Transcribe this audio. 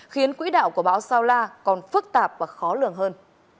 khiến quỹ đạo của bão saula còn phức tạp và khó lường hơn